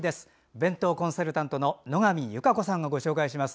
弁当コンサルタントの野上優佳子さんがご紹介します。